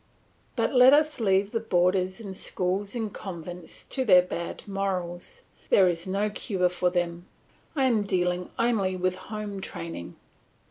But let us leave the boarders in schools and convents to their bad morals; there is no cure for them. I am dealing only with home training.